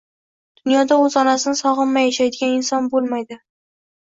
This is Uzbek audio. Dunyoda oʻz onasini sogʻinmay yashaydigan inson boʻlmaydi.